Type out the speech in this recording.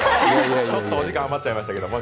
ちょっとお時間、余っちゃいましたけど。